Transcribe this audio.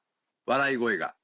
笑い声が。